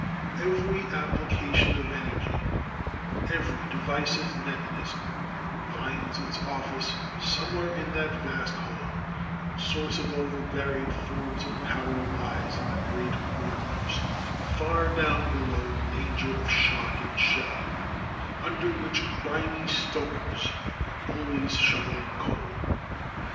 Every application of energy, every device of mechanism, finds its office somewhere in that vast hull, and the source of all the varied forms of power lies in the great boilers, far down below danger of shot and shell, under which grimy stokers are always shoveling coal.